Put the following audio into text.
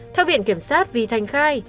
theo viện kiểm soát vì thành khai